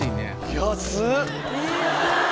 安っ！